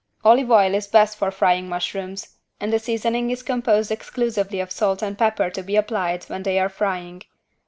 Olive oil is best for frying mushrooms and the seasoning is composed exclusively of salt and pepper to be applied when they are frying.